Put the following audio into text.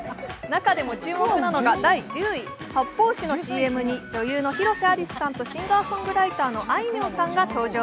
中でも注目なのが第１０位、発泡酒のＣＭに女優の広瀬アリスさんとシンガーソングライターのあいみょんさんが登場。